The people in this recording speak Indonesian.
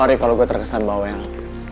sorry kalo gua terkesan baweng